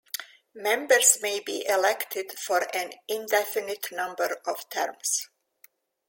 Members may be elected for an indefinite number of terms.